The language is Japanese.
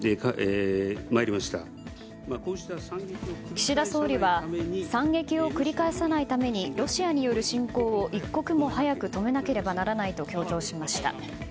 岸田総理は惨劇を繰り返さないためにロシアによる侵攻を一刻も早く止めなければならないと強調しました。